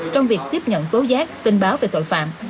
trong việc tiếp nhận tố giác tin báo về tội phạm